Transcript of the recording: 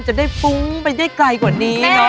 จริงทุกคน